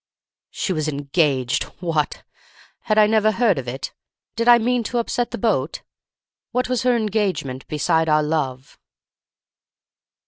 "She was engaged—what! Had I never heard of it? Did I mean to upset the boat? What was her engagement beside our love?